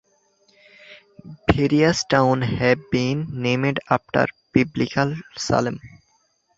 Various towns have been named after Biblical Salem.